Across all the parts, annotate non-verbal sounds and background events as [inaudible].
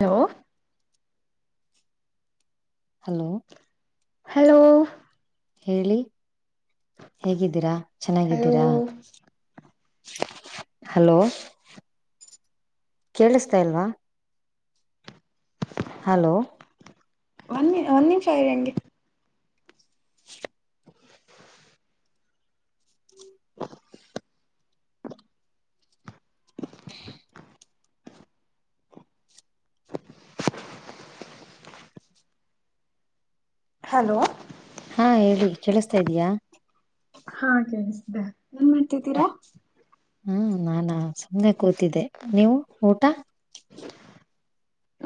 Low hello [inaudible] ಹೇಳಿ ಹೇಗಿದ್ದೀರಾ. Hello ಚೆನ್ನಾಗಿದ್ದೀರಾ. ಹಲೋ ಕೇಳಸ್ತಾ ಇಲ್ವಾ. ಹಲೋ ಒಂದ್ ಒಂದ್ ನಿಮಿಷ ಇರಿ ಹಂಗೆ ಹಲೋ ಹಾ ಹೇಳಿ ಕೇಳಸ್ತಾ ಇದೆಯಾ. ಹಾ ಕೇಳಿಸ್ತೀದೆ ಏನ್ ಮಾಡ್ತಿದಿರಾ. ಹ್ಮ್ ನಾನಾ ಸುಮ್ನೆ ಕೂತಿದ್ದೆ ನೀವು ಊಟಾ.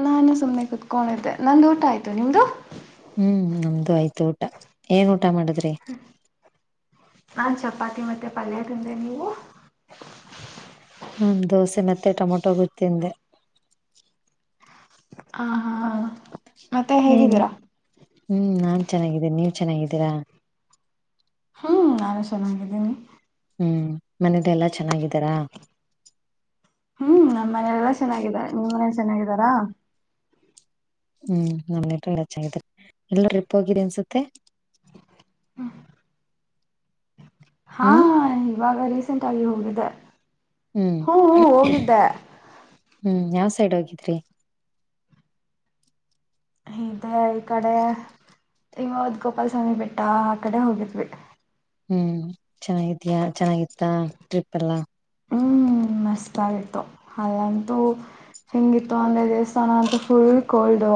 ನಾನು ಸುಮ್ನೆ ಕುತ್ಕೊಂಡಿದ್ದೆ ನಂದು ಊಟ ಆಯ್ತು ನಿಮ್ದು. ಹ್ಮ್ ನಮ್ದು ಆಯ್ತು ಊಟಾ ಏನ್ ಊಟಾ ಮಾಡದ್ರಿ. ನಾನ್ ಚಪಾತಿ ಮತ್ತೆ ಪಲ್ಯ ತಿಂದೆ ನೀವು ಹ್ಮ ದೋಸೆ ಮತ್ತೆ ಟೊಮೊಟೊ ಗೊಜ್ ತಿಂದೆ ಆ ಹಾ. ಮತ್ತೆ ಹ್ಮ್ ಹೇಗಿದಿರಾ. ಹ್ಮ್ ನಾನ್ ಚೆನ್ನಾಗಿದ್ದೇನ ನೀವ್ ಚೆನ್ನಾಗಿದಿರಾ. ಹ್ಮ್ ನಾನು ಚನ್ನಾಗಿದಿನಿ. ಹ್ಮ್ ಮನೇದ್ ಎಲ್ಲಾ ಚೆನ್ನಾಗಿದಾರಾ. ಹ್ಮ್ ನಮ್ಮ್ ಮನೇಲೆಲ್ಲಾ ಚೆನ್ನಾಗಿದಾರೆ ನಿಮ್ಮ್ ಮನೇಲಿ ಚೆನ್ನಾಗಿದಾರಾ. ಹ್ಮ್ ನಮ್ [unintelligible] ಎಲ ಚಾಗಿದರ್ ಎಲ್ಲೋ ಟ್ರೀಪ್ ಹೋಗಿರ್ ಅನ್ಸತ್ತೆ. ಹಾ ಇವಾಗ್ ಹಾ ರೀಸೆಂಟ್ ಆಗಿ ಹೋಗಿದ್ದೆ. ಹ್ಮ್ ಹ್ಮ್ ಯಾವ್ಸ್ ಸೈಡ್ ಹೋಗಿದ್ರಿ? ಇದೆ ಈ ಕಡೆ ಇವದ್ ಗೋಪಾಲಸ್ವಾಮಿ ಬೆಟ್ಟ ಆ ಕಡೆ ಹೋಗಿದ್ವಿ. ಹ್ಮ್ ಚೆನ್ನಾಗಿದಿಯ ಚೆನ್ನಾಗಿತ್ತ ಟ್ರಿಪ್ ಎಲ್ಲಾ? ಹ್ಮ್ ಮಸ್ತಾಗಿತ್ತು ಅಲ್ಲಂತೂ ಹೆಂಗಿತ್ತು ಅಂದ್ರೆ ದೇಸ್ ಸ್ತಾನಂತು ಫುಲ್ ಕೋಲ್ಡೂ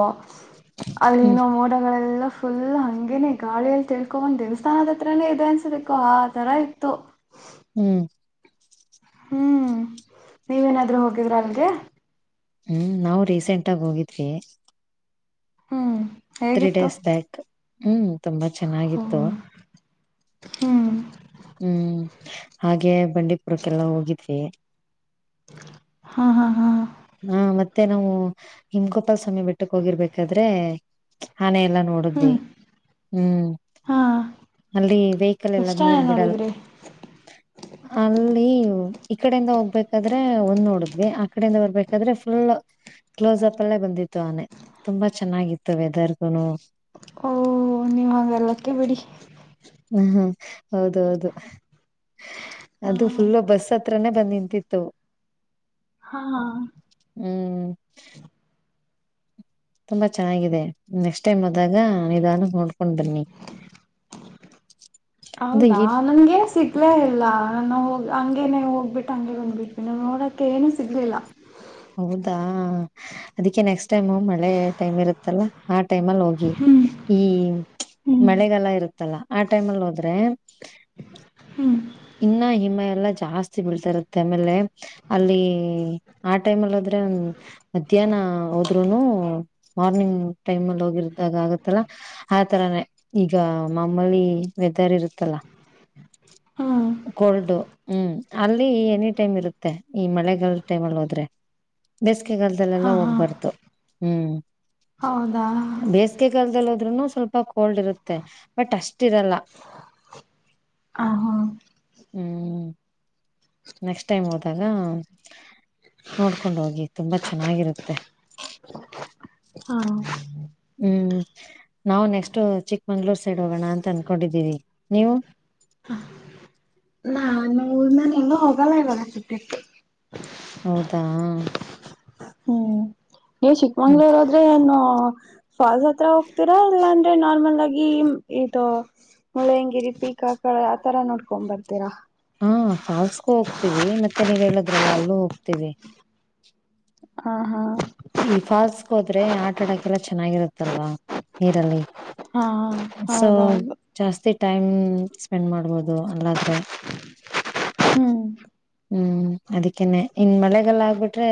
ಹ್ಮ್ ಅಲ್ಲಿನ ಮೋಡಗಳೆಲ್ಲ ಫುಲ್ ಹಂಗೇನೆ ಗಾಳಿಯಲ್ಲಿ ತೇಲ್ಕೊಂದ್ ದೇವಸ್ಥಾನದ ಹತ್ರನೇ ಇದೆ ಅನ್ಸ್ಬೇಕು ಆ ತರ ಇತ್ತು. ಹ್ಮ್ ಹ್ಮ್ ನೀವೇನಾದ್ರು ಹೋಗಿದ್ರ ಅಲ್ಗೆ? ಹ್ಮ್ ನಾವು ರೀಸೆಂಟಾಗ್ ಹೋಗಿದ್ವಿ. ಹ್ಮ ತ್ರೀ ಡೇಸ್ ಬ್ಯಾಕ್. ಹ್ಮ್ ತುಂಬಾ ಹ ಚೆನ್ನಾಗಿತ್ತು ಹ್ಮ್ ಹ್ಮ್ ಹಾಗೆ ಬಂಡೀಪುರಕ್ಕೆಲ್ಲಾ ಹೋಗಿದ್ವಿ. [inaudible] ಹಾ ಹಾ ಹಾ ಹಾ ಮತ್ತೆ ನಾವು ಹಿಂಗ್ ಗೋಪಾಲ್ಸ್ವಾಮಿ ಬೆಟ್ಟಕ್ ಹೋಗಿರ್ಬೇಕಾದ್ರೆ ಆನೆ ಎಲ್ಲ ನೋಡಿದ್ವಿ ಹ್ಮ್ ಹ್ಮ್ ಹಾ ಅಲ್ಲಿ ವೆಹಿಕಲೆಲ್ಲ ಎಷ್ಟ್ ಜನ ಮೇಲ್ ಬಿಡಲ್ಲ ನೋಡಿದ್ರಿ ಅಲ್ಲಿ ಈ ಕಡೆಯಿಂದ ಹೋಗ್ಬೇಕಾದ್ರೆ ಒಂದ್ ನೋಡಿದ್ವಿ ಆ ಕಡೆಯಿಂದ ಬರ್ಬೇಕ್ ಕಾದ್ರೆ ಫುಲ್ ಕ್ಲೋಸಪ್ ಅಲ್ಲೇ ಬಂದಿತ್ತು ಆನೆ ತುಂಬಾ ಚೆನ್ನಾಗಿತ್ತು ವೆದರ್ಗುನು ಓ ನೀವಾಂಗರ್ ಲ್ಲಕ್ಕಿ ಬಿಡಿ. ಹ ಹಾ ಹೌದು ಹೌದು. ಹಾ ಅದು ಫುಲ್ ಬಸ್ ಹತ್ರಾನೇ ಬಂದ್ನಿನ್ ದಿತ್ತು. ಹಾ ಹಾ ಹ್ಮ್ ತ್ತಲ್ಲ ಚೆನ್ನಾಗಿದೆ ನೆಕ್ಸ್ಟ್ ಟೈಮ್ ಹೋದಾಗ ನಿಧಾನಕ್ ನೋಡ್ಕೊಂಡ್ ಬನ್ನಿ. ಅದು ಹೌದಾ ಈ ನನ್ಗೆ ಸಿಗ್ಲೇ ಇಲ್ಲ ನಾವ್ ಹೋಗ್ ಹಂಗೇನೆ ಹೋಗ್ಬಿಟ್ಟು ಹಂಗೆ ಬಂದ್ಬಿಟ್ವಿ ನಾಮ್ಗ್ ನೋಡೋಕ್ಕೆ ಏನು ಸಿಗ್ಲಿಲ್ಲ. ಹಾ ಅದಕ್ಕೆ ನೆಕ್ಸ್ಟ್ ಟೈಮ್ ಮಳೆ ಟೈಮ್ ಇರುತ್ತಲ್ಲ ಆ ಟೈಮಲ್ಲಿ ಹೋಗಿ ಈ ಮಳೆಗಾಲ ಇರುತ್ತ್ ತಲ್ಲ ಆ ಟೈಮಲ್ ಹೋದ್ರೆ. ಇನ್ನ ಹಿಮ ಎಲ್ಲಾ ಜಾಸ್ತಿ ಬೀಳ್ತಾ ಇರುತ್ತೆ ಆಮೇಲೆ ಅಲ್ಲಿ ಆ ಟೈಮಲ್ಲೊದ್ರೆ ಒಂದ್ ಮಧ್ಯಾಹ್ನ ಹೋದ್ರುನು ಮಾರ್ನಿಂಗ್ ಟೈಮಲ್ ಹೋಗಿರ್ದಾಗ ಆಗತ್ತಲ್ಲ ಆತರಾನೇ ಈಗ ಮಾಮೂಲಿ ವೆದರ್ ಇರುತ್ತಲ್ಲ. ಹ್ಮ್ ಕೋಲ್ಡು ಹ್ಮ್ ಅಲ್ಲಿ ಎನಿ ಟೈಮ್ ಇರುತ್ತೆ ಈ ಮಳೆಗಾಲದ್ ಟೈಮ್ ಅಲ್ಲಿ ಹೋದ್ರೆ ಬೆಸ್ ಬೇಸಿಗೆ ಹಾ ಗಾಲದಲ್ಲೆಲ್ಲಾ ಹಾ ಹೋಗ್ಬಾರ್ದು. ಹ್ಮ್ ಹೌದಾ ಬೆಸ್ಗೆ ಕಾಲ್ದಲ್ಲಿ ಇನ್ನು ಸ್ವಲ್ಪ ಕೋಲ್ಡ್ ಇರುತ್ತೆ ಬಟ್ ಅಷ್ಟ್ ಇರಲ್ಲ. ಆ ಹ ಹ್ಮ್ ನೆಕ್ಸ್ಟ್ ಟೈಮ್ ಹೋದಾಗ ನೋಡ್ಕೊಂಡ ಹೋಗಿ ತುಂಬಾ ಚೆನ್ನಾಗಿರುತ್ತೆ ಹಾ ಹ್ಮ್ ನಾವು ನೆಕ್ಸ್ಟ್ ಚಿಕ್ಕಮಂಗಳೂರು ಸೈಡ್ ಹೋಗೋಣ ಅಂತ ಅನ್ಕೊಂಡಿದ್ದೀವಿ ನೀವು. ಇನ್ನೂ ಹೋಗಲ್ಲ ಇವಗ ಸದ್ಯಕ್ಕೆ. ಹೌದಾ ಹ್ಮ್ ನೀವ್ ಹ್ಮ್ ಚಿಕ್ಕಮಂಗ್ಳೂರ್ ಹೊದ್ರೆ ಏನು ಫಾಲ್ಸ್ ಆತ್ರರ ಹೋಗ್ತೀರಾ ಇಲ್ಲಾಂದ್ರೆ ನಾರ್ಮಲ್ ಆಗಿ ಇದು ಮುಳ್ಳಯ್ಯನಗಿರಿ ಪೀಕ್ ಆಕಡೆ ಆತರ ನೋಡ್ಕೊಂಡ್ ಬರ್ತೀರಾ. ಹು ಫಾಲ್ಸ್ಗೂ ಹೋಗ್ತೀವಿ ಮತ್ತೆ ನೀವ್ ಹೇಳದ್ರಲ್ಲ ಅಲ್ಲೂ ಹೋಗ್ತೀವಿ. ಹಾ ಹಾ ಈ ಫಾಲ್ಸ್ಗೆ ಹೋದ್ರೆ ಆಟಡ್ಡಕ್ಕೆಲ್ಲ ಚೆನ್ನಾಗಿರುತ್ತಲ್ವಾ ನೀರಲ್ಲಿ. ಹಾ ಸೊ ಹೌದೌದು ಜಾಸ್ತಿ ಟೈಮ್. ಸ್ಪೆಂಡ್ ಮಾಡ್ಬೋದು. ಒಹ್ ಅಲ್ಲಾದ್ರೆ. ಹ್ಮ್ ಹ್ಮ್ ಅದಕ್ಕೇನೆ ಇನ್ ಮಳೆಗಲ್ಲ ಆಗ್ಬಿಟ್ರೆ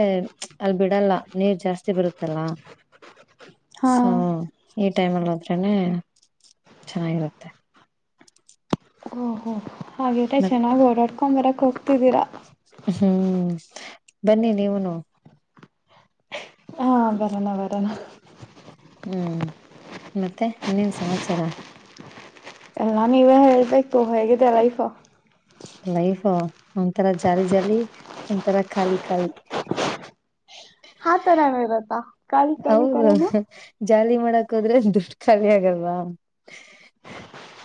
ಅಲ್ ಬಿಡಲ್ಲ ನೀರ್ ಜಾಸ್ತಿ ಬರುತ್ತಲ್ಲ. ಸೊ ಹಾ ಟೈಮಲ್ ಹೋದ್ರೇನೇ ಚೆನ್ನಾಗಿರುತ್ತೆ. ಹೋ ಹೋ ಹೋ ಹಾಗೀದ್ರೆ ಮತ್ ಚೆನ್ನಾಗಿ ಓಡಾಡ್ಕೋ ಹೊರಕ್ ಹೋಗ್ತಿದೀರಾ. ಹ್ಮ್ ಬನ್ನಿ ನೀವುನು. ಹಾ ಬರಣ ಬರಣ ಹ್ಮ್ ಮತ್ತೆ ಇನ್ನೇನ್ ಸಮಾಚಾರ. ಎಲ್ಲ ನೀವೇ ಹೇಳ್ಬೇಕು ಹೇಗಿದೆ ಲೈಫು ಲೈಫು ಒಂಂತರ ಜಾಲಿ ಜಾಲಿ ಒಂತರ ಖಾಲಿ ಖಾಲಿ ಹಾ ತರ ಎಲ್ಲ ಇರತ್ತಾ. ಖಾಲಿ ಖಾಲಿ ಹೌದು ತರಾನು. ಜಾಲಿ ಮಾಡಕ್ ಹೋದ್ರೆ ದುಡ್ಡು ಖಾಲಿ ಆಗಲ್ವಾ.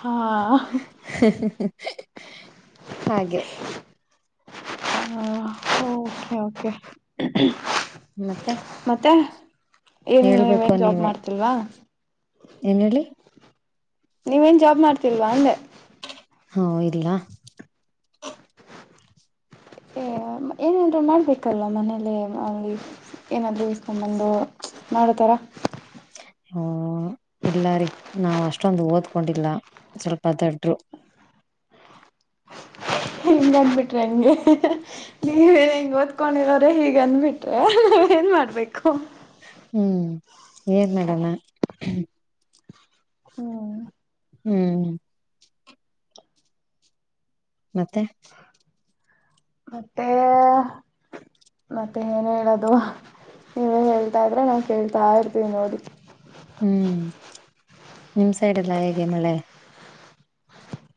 ಹಾ ಹಹಹಃ ಹಾಗೆ [inaudible] ಹ ಓಕೆ ಓಕೆ. ಮತ್ತೆ. ಏನ್ ನೀವೇನ್ ಜಾಬ್ ಮಾಡ್ತಿಲ್ವಾ. ಎನ್ ಹೇಳಿ. ನೀವೇನ್ ಜಾಬ್ ಮಾಡ್ತಿಲ್ವಾ ಅಂದೆ. ಹಾ ಇಲ್ಲ. ಏ ಏನಾದರೂ ಮಾಡಬೇಕಲ್ಲ ಮನೇಲ್ಲೇ ಅಲ್ಲಿ ಏನಾದರೂ ಇಸ್ಕೊಂಬಂದು ಮಾಡೋತರ. ಹ್ಮ ಇಲ್ಲ ರೀ ನಾವು ಅಷ್ಟೊಂದು ಓದ್ಕೊಂಡಿಲ್ಲ ಸ್ವಲ್ಪ ದಡ್ರು. ಹಿಂಗ ಅಂದಬಿಟ್ರೆ ಹೆಂಗೆ [unintelligible] ಹೆಂಗ್ ಓದ್ಕೊಂಡಿರೋರೇ ಹೀಗೆ ಅಂದಬಿಟ್ರೆ ನೀ ಏನ್ ಮಾಡ್ಬೇಕು. ಹ್ಮ್ ಏನ್ಮಾಡನ. ಹ್ಮ. ಹ್ಮ್ ಮತ್ತೆ. ಮತ್ತೆ ಮತ್ತೆ ಏನ್ ಹೇಳದು ನೀವೇ ಹೇಳ್ತಾ ಇದ್ರೆ ನಾ ಕೇಳ್ತಾ ಇರ್ತೀ ನೋಡಿ. ಹ್ಮ್ ನಿಮ್ ಸೈಡೆಲ್ಲ ಹೇಗೆ ಮಳೆ.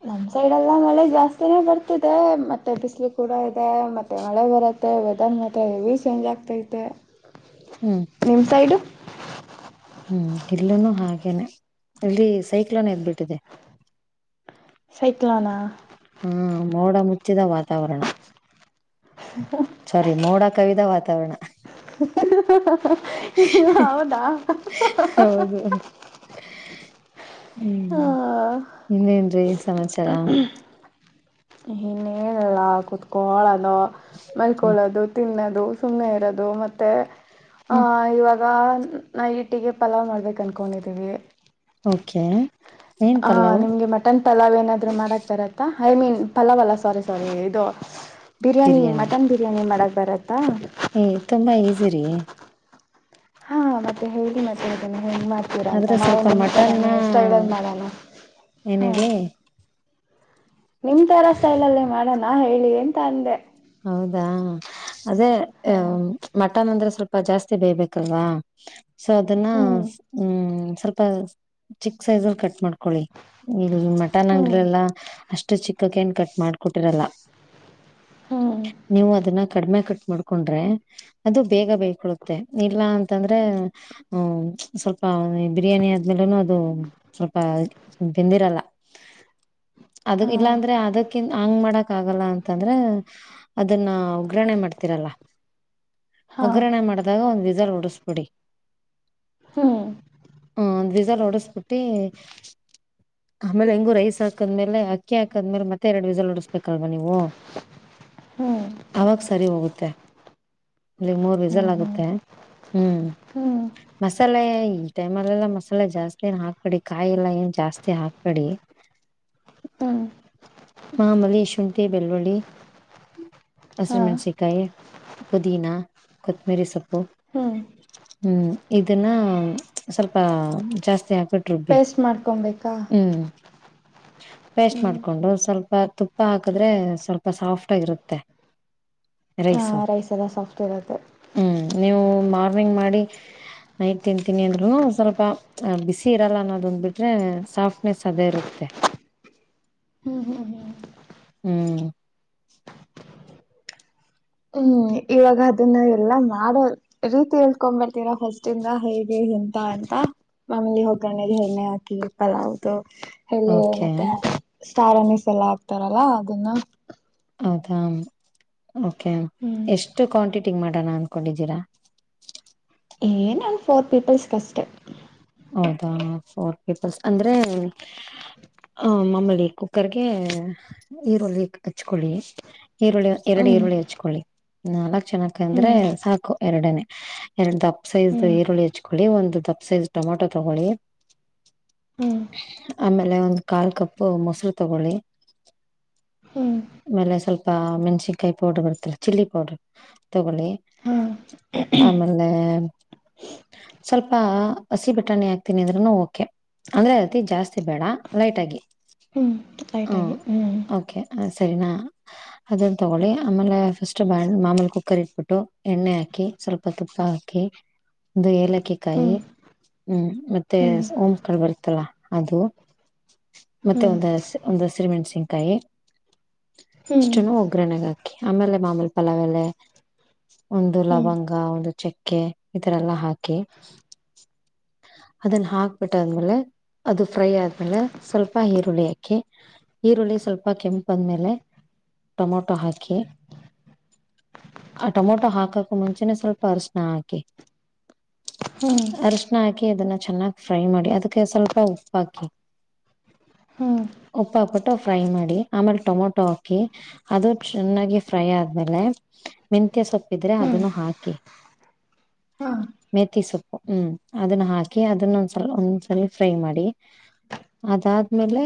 ನಮ್ ಸೈಡ್ ಲ್ಲ ಮಳೆ ಜಾಸ್ತಿನೇ ಬರ್ತಿದೆ ಮತ್ತೆ ಬಿಸಿಲು ಕೂಡ ಇದೆ ಮತ್ತೆ ಮಳೆ ಬರುತ್ತೆ ವೆದರ್ ಮತ್ರ ಹೆವಿ ಚೇಂಜ್ ಆಗ್ತೈತೆ. ಹ್ಮ್ ನಿಮ್ ಸೈಡು. ಹ್ಮ್ ಇಲ್ಲೂನು ಹಾಗೇನೆ ಇಲ್ಲಿ ಸೈಕ್ಲೋನ್ ಎದ್ಬಿಟ್ಟಿದೆ. ಸೈಕ್ಲಾನಾ. ಹ್ಮ ಮೋಡ ಮುಚ್ಚಿದ ವಾತಾವರಣ. ಸರಿ ಮೋಡ ಕವಿದ ವಾತಾವರಣ. ಹ ಹ ಹ ಹ ಹ ಹೌದ ಹೌದು ಹ್ಮ್ ಹಾ. ಇನ್ನೇನ್ರೀ ಸಮಾಚಾರ ಇನ್ನೇನಲ್ಲ ಕುೂತ್ಕೋಳ. ಹ್ಮ್ ಮಲ್ಕೊಳ್ಳೋದು ತಿನ್ನದು. ಅದು ಸುಮ್ಮನೆ ಇರೋದು ಮತ್ತೆ. ಹಾ ಹ್ಮ್ ಇವಾಗ. ಆ ನೈಟಿಗೆ ಪಲಾವ್ ಮಾಡ್ಬೇಕು ಅನ್ಕೊಂಡಿದೀವಿ. ಓಕೆ ಏನ್ ಹಾ ಪಲಾವ್ ನಿಮ್ಗೆ ಮಟನ್ ಪಲಾವ್ ಏನಾದ್ರು ಮಾಡಕ್ ಬರತ್ತಾ. I mean. ಪಲ್ಲವಲ್ಲ ಸಾರಿ ಸಾರಿ ಇದು. ಬಿರಿಯಾನಿ ಮಟನ್ ಬಿರಿಯಾನಿ ಮಾಡೋ ಬರತ್ ಏ ತುಂಬಾ ಈಸಿರಿ. ಹಾ ಮತ್ತೆ ಹೇಳಿ ಮತ್ತೆ ಹೇಗ್ ಮಾಡ್ತೀರಾ ಅಂತ ಆದ್ರೆ ನಾವು ಸ್ವಲ್ಪ ನಿಮ ತರ ಮಟನ್ ಸ್ಟೈಲಲ್ಲಿ ಮಾಡಣ ಏನ್ ಹ ಹೇಳಿ ನಿಮ ತರ ಸ್ಟೈಲ ಅಲ್ಲ ಮಾಡಣ. ನಾ ಹೇಳಿ ಅಂತ ಅಂದೆ. ಹೌದಾ. ಅದೇ ಹಾಂ ಮತ್ತೆ. ಮಟನ್ ಅಂದ್ರೆ ಸ್ವಲ್ಪ ಜಾಸ್ತಿ ಬೇಯಬೇಕಲ್ವಾ. ಸೊ ಅದನ್ನ ಹ್ಞೂ ಹ್ಮ್. ಸ್ವಲ್ಪ ಚಿಕ್ ಸೈಜ್ ಅಲ್ಲಿ ಕಟ್ ಮಾಡ್ಕ. ಇಲ್ಲಿ ಮಟನ್ ಹ್ಞೂ ನಂಗೆಲ್ಲಾ ಅ. ಅಷ್ಟು ಚಿಕ ಕೆನ್ ಕಟ್ ಮಾಡ್ಕೊಟ್ಟಿರಲ್ಲ. ಹ್ಞೂ ನೀವು ಅದನ್ನ ಕಡಿಮೆ ಕಟ್. ಮಾಡ್ಕೊಂಡ್ರೆ ಅದು ಬೇಗ ಬೇಯಿಕೊಳುತ್ತೆ ಇಲ್ಲ ಅಂತಂದ್ರೆ ಹ ಸ್ವಲ್ಪ ಬಿರಿಯಾನಿ ಆದ್ಮೇಲೆನು ಅದು ಸ್ವಲ್ಪ ಬೆಂದಿರಲ್ಲ. ಅದು ಹಾಂ ಇಲ್ಲಾಂದ್ರೆ ಅದಕ್ಕಿನ್ ಹಂಗ್ ಮಾಡಕ್. ಆಗಲ್ಲ ಅಂತಂದ್ರೆ. ಅದನ್ನ ಉಗ್ರಣೆ ಮಾಡ್ತೀರಲ್ಲ. ಹಾ ಒಗ್ಗರಣ ಮಾಡಿದಾಗ ಒಂದ್ ವಿ- ವಿಜಲ್ ಉಡಿಸ್ಬಿಡಿ. ಹ್ಮ್. ಸಲ್ ಹೊಡಸ್ಬಿಟ್ಟಿ ಆಮೇಲೆ ಹೆಂಗು ರೈಸ್ ಹಾಕದ್ಮೇಲೆ ಅಕ್ಕಿ ಹಾಕದ್ಮೇಲೆ ಮತ್ತೆ ಎರಡು ವಿಸಲ್ ಹೊಡಸ್ಬೇಕಲ್ವಾ ನೀವು. ಹ್ಮ್ ಅವಾಗ ಸರಿ ಹೋಗುತ್ತೆ ಇಲ್ಲಿಗ್ ಮೂರ್ ಹ್ಮ್ ವಿಸಲ್ ಹ್ಮ್ ಆಗುತ್ತೆ ಹ್ಮ್ ಹ್ಮ್ ಮಸಾಲೆ- ಟೈಮಲ್ಲೆಲ್ಲ ಮಸಾಲೆ ಜಾಸ್ತಿ ಏನ್ ಹಾಕ್ಬೇಡಿ ಕಾಯಿ ಇಲ್ಲ ಏನ್ ಜಾಸ್ತಿ ಹಾಕ್ಬೇಡಿ. ಹ್ಮ್- ಮಾಮುಲಿ ಶುಂಟಿ ಬೆಳ್ಳುಳ್ಳಿ. ಹಾ ಹೆಸರು ಮೆಣಸಿಕಾಯಿ ಪುದೀನಾ ಕೊತ್ತಮಿರಿ ಸೊಪ್ಪು. ಹ್ಮ್ ಹ್ಮ್ ಇದನ್ನ ಸ್ವಲ್ಪ ಜಾಸ್ತಿ ಹಾಕ್ಬಿಟ್. ಪೇಸ್ಟ್ ಮಾಡ್ಕೊಂಬೇಕಾ. ಪೇಸ್ಟ್ ಮಾಡ್ಕೊಂಡು ಸ್ವಲ್ಪ. ಪ್ಪಾ ತುಪ್ಪ ಹಾಕದ್ರೆ ಸ್ವಲ್ಪ ಸಾಫ್ಟ್. ಟ್ಟಾಗಿರುತ್ತೆ. ಹಾ ರೈಸು ರೈಸ್ ಎಲ್ಲ ಸಾಫ್ಟ್ ಇರುತ್ತೆ ಹ್ಮ್ ನೀವು. ಮಾರ್ನಿಂಗ್ ಮಾಡಿ ನೈಟ್ ತಿಂತೀನಿ ಅಂದ್ರುನು ಸ್ವಲ್ಪ ಬಿಸಿ ಇರಲ್ಲ ಅನ್ನೋದೊಂದ್ ಬಿಟ್ರೆ ಸಾಫ್ಟ್ನೆಸ್ ಅದೇ ಇರುತ್ತೆ ಹ್ಮ್ ಹ್ಮ್ ಹ್ಮ್ ಹ್ಮ. ಹ್ಮ್ ಇವಾಗ ಅದನ್ನ ಎಲ್ಲಾ ಮಾಡೋ ರೀತಿ ಹೇಳ್ಕೊಂಡ ಮೇ ತೀರ ಫಸ್ಟಿಂದ ಹೇಗೆ ಎ. ತ್ತಾ ಅಂತ ಮಾಮಲಿ ಹೋಗ್ಗರಣೆಗೆ ಎಣ್ಣೆ ಹಾಕಿ ಪಲಾವ್ದು. ಹೇಳು ಓಕೆ ಮತ್ತೆ. ಸಾರನ್ನೀಸ್ ಎಲ್ಲ ಹಾಕ್ತಾರಲ್ಲಾ ಅದನ್ನ. ಹೌದಾ. ಓಕೆ ಹ್ಮ್ ಎಷ್ಟು ಕ್ವಾಂಟಿಟಿಗ್ ಮಾಡ್. ಡಣ ಅನ್ಕೊಂಡಿದ್ದೀರಾ. ಏನು ಫೋರ್ ಪೀಪಿಲ್ಸ್ ಗಸ್ಟೆ. ಹೌದಾ ಫೋರ್ ಪೀಪಲ್ಸ್ ಅಂದ್ರೆ ಮಾಮೂಲಿ ಕುಕ್ಕರ್ಗೆ ಈರುಳ್ಳಿ ಹಚ್ಕೊಳ್ಳಿ. ಈರುಳ್ಳಿ ಎರಡು ಹ್ಮ್ ಈರುಳ್ಳಿ ಹಚ್ಕೊಳ್ಳಿ. ನಾಲಕ್. ಚೆನ್ನಕ್ ಅಂದ್ರೆ ಹ್ಮ್ ಸಾಕು ಎರಡೆನೇ. ಎರೆಡ್ ದಪ್ಪ. ಸೈಜ್ ಹ್ಮ್ ಈರುಳ್ಳಿ ಹಚ್ಕೊಳ್ಳಿ ಒಂದು. Cup size. ಟೊಮ್ಯಾಟೋ ತಗೋಳಿ. ಹ್ಮ್ ಆಮೇಲೆ. ಅಲೆ ಒಂದ್ ಕಾಲ್ ಕಪ್ ಮೊಸರು ತಗೊಳ್ಳಿ. ಹ್ಮ್ ಆಮೇಲೆ ಸ್ವಲ್ಪ. ಮೆಣ್ಸಿನ್ಕಾಯಿ ಪೌಡರ್ ಬರುತ್ತಲ್ಲ ಚಿಲ್ಲಿ ಪೌಡರ್. ತಗೊಳ್ಳಿ ಹಾ ಆಮೇಲೆ ಸ್ವಲ್ಪ. ಹಸಿ ಬಟ್ಟಾಣಿ ಹಾಕ್ತೀನಿ ಇದ್ರುನು ಓಕೆ ಅಂದ್ರೆ ಅದತಿ ಜಾಸ್ತಿ ಬೇಡ ಲೈಟ್ ಆಗಿ. ಹ್ಮ್ ಲೈಟ್ ಆಗಿ ಹ್ಮ್. ಓಕೆ ಸರಿನಾ ಅದನ್ನ ತಗೊಳ್ಳಿ ಆಮೇಲೆ ಫಸ್ಟ್ ಮಾಮೂಲಿ ಕುಕ್ಕರ್ ಇಟ್ಬಿಟ್ಟು ಎಣ್ಣೆ ಹಾಕಿ ಸ್ವಲ್ಪ ತುಪ್ಪ ಹಾಕಿ ಒ ಏಲಕ್ಕ. [unintelligible] ಕಾಯಿ. ಹ್ಮ್ ಹ್ಮ್ ಮತ್ತೆ ಹ್ಮ್ ಓಂ ಓಂ ಕಾಳು ಬರುತ್ತಲ್ಲ. ಅದು. ಮತ್ತೆ ಹ್ಮ್ ಒಂದು ಒಂದು ಹಸಿಮೆಣಸಿನಕಾಯಿ. ಕಾಯ. ಹ್ಮ್ ಇಷ್ಟನುಒಗ್ಗರಣೆಗೆ ಹಾಕಿ. ಆಮೇಲೆ ಮಾಮೂಲಿ ಪಲಾವ್ ಎಲೆ. ಒಂದು ಹ್ಮ್ ಲವಂಗ ಒಂದು ಚೆಕ್. ಕ್ಕೆ ಇತರ ಎಲ್ಲಾ ಹಾ. ಕೆ ಅದನ್ನ ಹಾಕ್ಬಿಟ್ಟಾದ್ಮೇಲೆ ಅದು ಫ್ರೈ ಆದ್ಮೇಲೆ ಸ್ವಲ್ಪ ಈರುಳ್ಳಿ ಹಾಕಿ ಈರುಳ್ಳಿ ಸ್ವಲ್ಪ ಕೆಂಪ್ ಬಂದ್ಮೇಲೆ ಟೊಮೊಟೊ ಹಾಕಿ ಆ ಟೊಮೊಟೊ ಹಾಕಕು ಮುಂಚೆನೆ ಸ್ವಲ್ಪ ಅರಶಣ ಹಾಕಿ. ಹ್ಮ್ ಹ್ಮ್ ಅರಶಣ ಹಾಕಿ ಅದನ್ನ ಚೆನ್ನಾಗ್ ಫ್ರೈ ಮಾಡಿ ಅದಕ್ಕೆ ಸ್ವಲ್ಪ ಉಪ್ ಹಾಕಿ ಹ್ಮ್ ಉಪ್ ಹಾಕ್ಬಿಟ್ಟು ಫ್ರೈ ಮಾಡಿ ಆಮೇಲೆ ಟೊಮೊಟೊ ಹಾಕಿ ಅದು ಚೆನ್ನಾಗಿ ಫ್ರೈ ಆದ್ಮೇಲೆ ನಿಮ್. ಮೆಂತ್ಯ ಸೊಪ್ಪಿದ್ರೆ ಅದನ್ನು ಹಾಕಿ. ಹಾ ತಿ ಸೊಪ್ಪು. ಹ್ಮ್ ಅದನ್ನ ಹಾಕಿ ಅದನ್ನೊಂದ್ಸಲ್ ಒಂದ್ಸರಿ ಫ್ರೈ ಮಾಡಿ ಅದಾದ್ಮೇಲೆ.